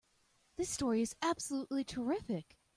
This story is absolutely terrific!